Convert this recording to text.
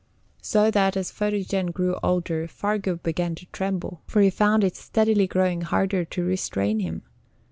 So that, as Photogen grew older, Fargu began to tremble, for he found it steadily growing harder to restrain him.